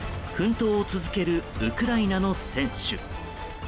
奮闘を続けるウクライナの選手。